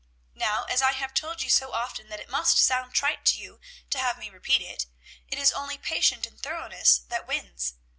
Now, as I have told you so often that it must sound trite to you to have me repeat it, it is only patient thoroughness that wins.